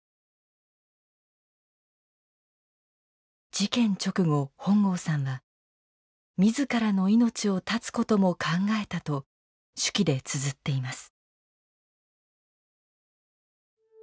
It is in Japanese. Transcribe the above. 事件直後本郷さんは自らの命を絶つことも考えたと手記でつづっています。